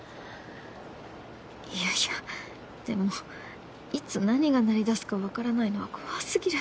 いやいやでもいつ何が鳴りだすか分からないのは怖過ぎる